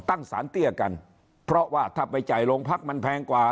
ตั้งสารเตี้ยกันเพราะว่าถ้าไปจ่ายโรงพักมันแพงกว่า